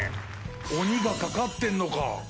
「おに」が掛かってんのか。